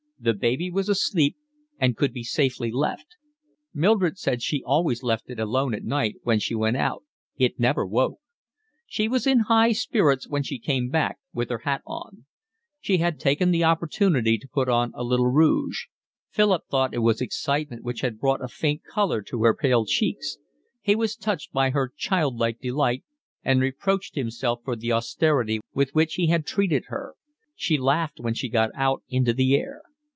The baby was asleep and could be safely left; Mildred said she had always left it alone at night when she went out; it never woke. She was in high spirits when she came back with her hat on. She had taken the opportunity to put on a little rouge. Philip thought it was excitement which had brought a faint colour to her pale cheeks; he was touched by her child like delight, and reproached himself for the austerity with which he had treated her. She laughed when she got out into the air.